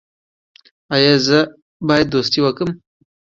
ایا زه باید دوستي وکړم؟